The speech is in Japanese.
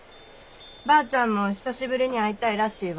ばあちゃんも久しぶりに会いたいらしいわ。